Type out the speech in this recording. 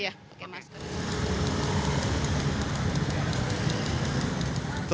iya pakai masker